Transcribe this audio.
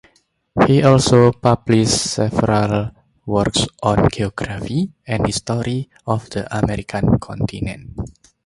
He also published several works on geography and history of the American continent.